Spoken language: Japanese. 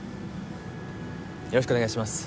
よろしくお願いします。